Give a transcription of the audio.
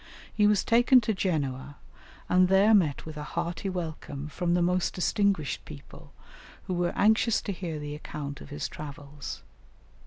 He was taken to Genoa, and there met with a hearty welcome from the most distinguished people, who were anxious to hear the account of his travels.